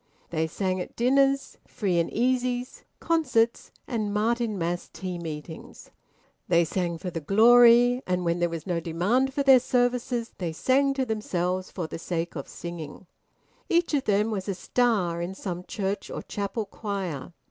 They sang at dinners, free and easies, concerts, and Martinmas tea meetings. They sang for the glory, and when there was no demand for their services, they sang to themselves, for the sake of singing. Each of them was a star in some church or chapel choir.